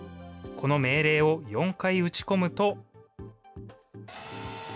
この命令を４回打ち込むと。